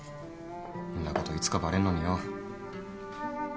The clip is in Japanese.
んなこといつかバレんのによ。